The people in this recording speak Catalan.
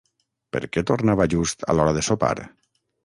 Per què tornava just a l'hora de sopar?